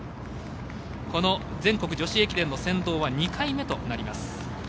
この全国女子駅伝の先導は２回目となります。